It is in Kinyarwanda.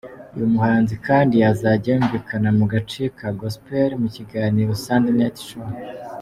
Uyu muhanzi kandi azajya yumvikana mu gace ka gospel mu kiganiro Sunday night show.